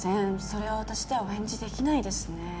それは私ではお返事できないですね